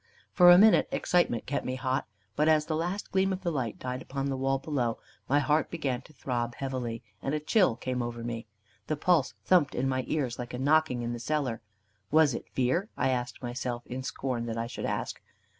For a minute excitement kept me hot; but as the last gleam of the light died upon the wall below, my heart began to throb heavily, and a chill came over me. The pulse thumped in my ears, like a knocking in the cellar. "Was it fear?" I asked myself, in scorn that I should ask.